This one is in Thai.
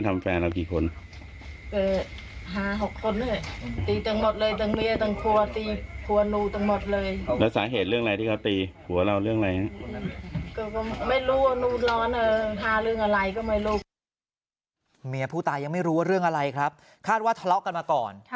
เมียผู้ตายยังไม่รู้ว่าเรื่องอะไรครับคาดว่าทะเลาะกันมาก่อน